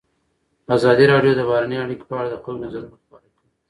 ازادي راډیو د بهرنۍ اړیکې په اړه د خلکو نظرونه خپاره کړي.